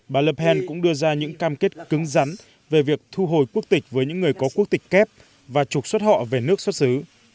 bà le pent cũng đưa ra những cam kết cứng rắn về việc thu hồi quốc tịch với những người có quốc tịch kép và trục xuất họ về nước xuất xứ